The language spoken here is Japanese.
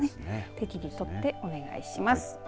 適宜とってお願いします。